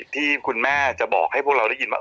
ที่คุณแม่จะบอกให้พวกเราได้ยินว่า